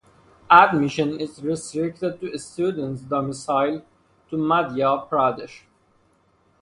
Admission is restricted to students domicile to Madhya Pradesh.